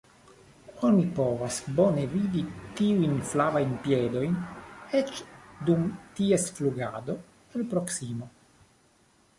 Oni povas bone vidi tiujn flavajn piedojn eĉ dum ties flugado, el proksimo.